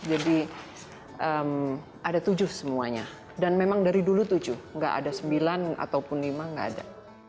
jadi ada tujuh semuanya dan memang dari dulu tujuh nggak ada sembilan ataupun lima nggak ada